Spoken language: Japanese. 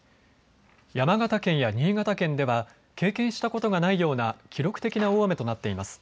山形県や新潟県では経験したことがないような記録的な大雨となっています。